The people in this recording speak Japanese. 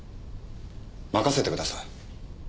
任せてください。